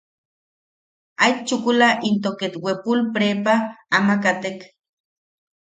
Aet chukula into ket wepul prepa ama katek.